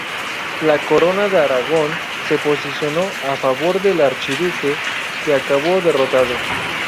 La Corona de Aragón se posicionó a favor del archiduque, que acabó derrotado.